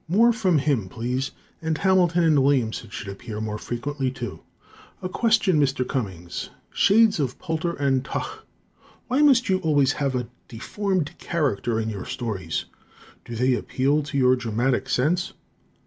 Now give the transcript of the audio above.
More from him, please. And Hamilton and Williamson should appear more frequently, too. A question, Mr. Cummings: Shades of Polter and Tugh! why must you always have a deformed character in your stories? Do they appeal to your dramatic sense?